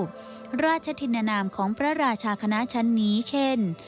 พระราชธินนามของพระราชาคณะชั้นนี้เช่น